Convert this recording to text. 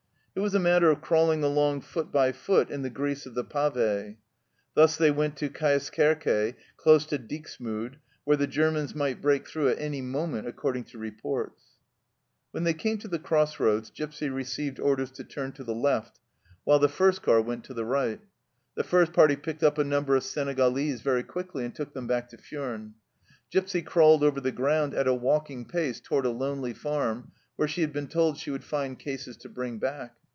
It was a matter of crawling along foot by foot in the grease of the pave. Thus they went to Cjaeskerke, close to Dixmude, where the Germans might break through at any moment according to reports. When they came to the cross roads Gipsy received orders to turn to the left, while the first A HIDEOUS NIGHT DRIVE 99 car went to the right. The first party picked up a number of Senegalese very quickly and took them back to Furnes. Gipsy crawled over the ground at a walking pace toward a lonely farm, where she had been told she would find cases to bring back.